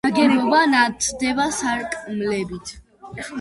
ნაგებობა ნათდება სარკმლებით.